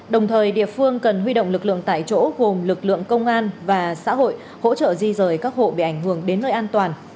đồng thời địa phương cần huy động lực lượng tại chỗ gồm lực lượng công an và xã hội hỗ trợ di rời các hộ bị ảnh hưởng đến nơi an toàn